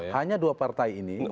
hanya dua partai ini